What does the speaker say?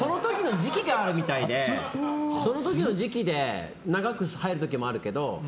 その時の時期で長く入る時もあるけど。